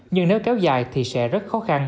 nhưng nếu kéo dài thì sẽ rất khó khăn